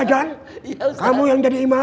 jawabannya tentang father dan teman